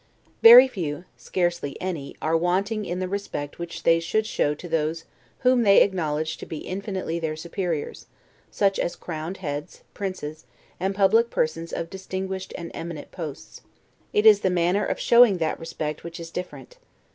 Very few, scarcely any, are wanting in the respect which they should show to those whom they acknowledge to be infinitely their superiors; such as crowned heads, princes, and public persons of distinguished and eminent posts. It is the manner of showing that respect which is different.